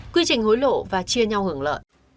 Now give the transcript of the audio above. quy trình hối lộ và chia nhau hưởng lợi